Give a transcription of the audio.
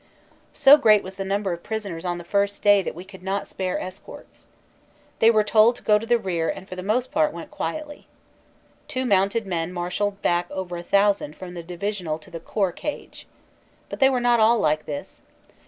So great was the number of prisoners on the first day that 80 CANADA S HUNDRED DAYS we could not spare escorts. They were told to go to the rear and for the most part went quietly. Two mounted men marsh alled back over a thousand from the Divisional to the Corps cage. But they were not all like this.